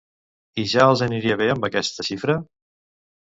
I ja els aniria bé amb aquesta xifra?